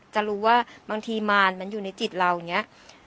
จะรู้ว่าบางทีมารมันอยู่ในจิตเราอย่างนี้